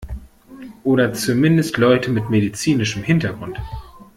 Oder zumindest Leute mit medizinischem Hintergrund.